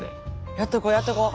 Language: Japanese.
やっとこうやっとこう。